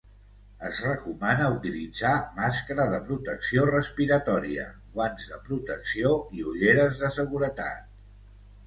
Es recomana utilitzar màscara de protecció respiratòria, guants de protecció i ulleres de seguretat.